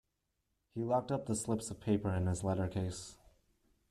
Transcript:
He locked up the slips of paper in his letter case.